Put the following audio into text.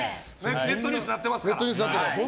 ネットニュースになってますから。